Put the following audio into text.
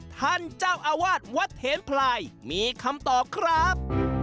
ท่านเจ้าอาวาสวัดเทนพลายมีคำตอบครับ